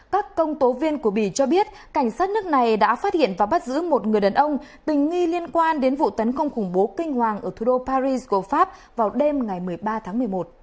các công tố viên của bỉ cho biết cảnh sát nước này đã phát hiện và bắt giữ một người đàn ông tình nghi liên quan đến vụ tấn công khủng bố kinh hoàng ở thủ đô paris của pháp vào đêm ngày một mươi ba tháng một mươi một